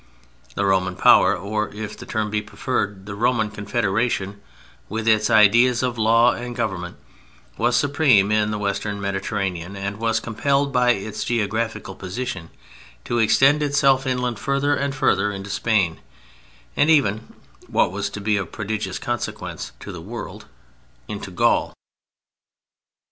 The Roman power, or, if the term be preferred, the Roman confederation, with its ideas of law and government, was supreme in the Western Mediterranean and was compelled by its geographical position to extend itself inland further and further into Spain, and even (what was to be of prodigious consequence to the world) into GAUL.